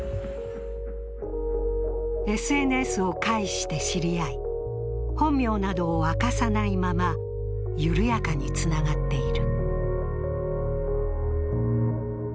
ＳＮＳを介して知り合い、本名などを明かさないまま緩やかにつながっている。